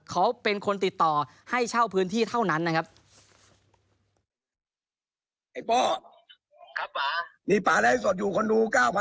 เขาเป็นคนติดต่อให้เช่าพื้นที่เท่านั้นนะครับ